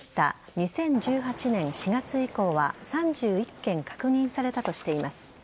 ２０１８年４月以降は３１件確認されたとしています。